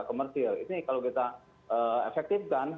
komersil ini kalau kita efektifkan